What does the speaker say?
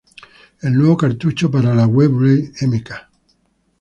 El nuevo cartucho para la Webley Mk.